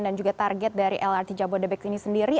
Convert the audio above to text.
dan juga target dari lrt jabodetabek ini sendiri